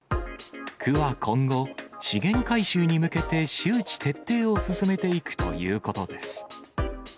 区は今後、資源回収に向けて、周知徹底を進めていくということです。